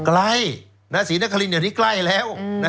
ใกล้ศรีนครินเดี๋ยวนี้ใกล้แล้ว